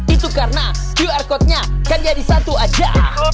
itu karena qr code nya kan jadi satu aja